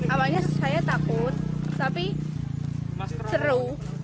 awalnya saya takut tapi seru